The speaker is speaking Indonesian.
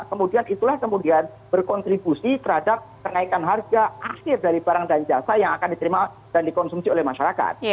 kemudian itulah yang kemudian berkontribusi terhadap kenaikan harga akhir dari barang dan jasa yang akan diterima dan dikonsumsi oleh masyarakat